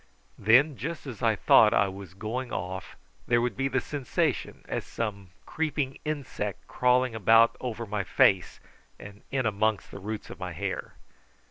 Then, just as I thought I was going off there would be the sensation as of some creeping insect crawling about over my face and in amongst the roots of my hair.